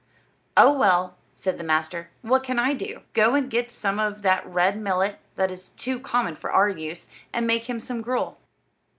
"Oh, well," said the master, "what can I do? Go and get some of that red millet, that is too common for our use, and make him some gruel."